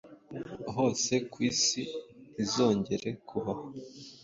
hose kwisi ntizongere kubaho